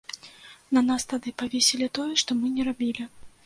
На нас тады павесілі тое, што мы не рабілі.